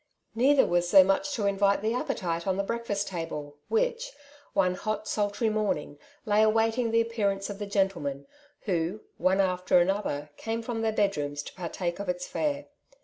Neither was there much to invite the appetite on the breakfast table, which, one hot, sultry morning, lay awaiting the appearance of the gentlemen, who, one after another, came from their bedrooms to partake of its fare.